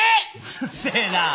うるせえなあ。